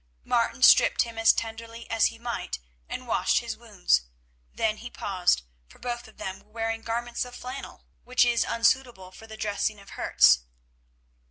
Martin stripped him as tenderly as he might and washed his wounds. Then he paused, for both of them were wearing garments of flannel, which is unsuitable for the dressing of hurts.